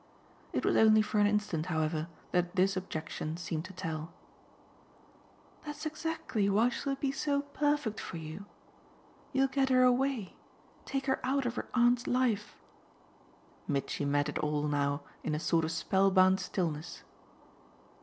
It was only for an instant, however, that this objection seemed to tell. "That's exactly why she'll be so perfect for you. You'll get her away take her out of her aunt's life." Mitchy met it all now in a sort of spellbound stillness.